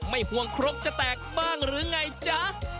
ห่วงครกจะแตกบ้างหรือไงจ๊ะ